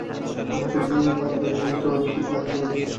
তিনি ছিলেন মোটামুটি আমার মতো আরও কিছু মানুষের ভালোবাসার সর্বশেষ আশ্রয়।